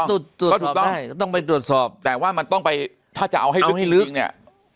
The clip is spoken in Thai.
ตรวจสอบได้ก็ต้องไปตรวจสอบแต่ว่ามันต้องไปถ้าจะเอาให้ลึกจริงเนี่ย